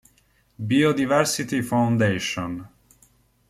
Biodiversity Foundation".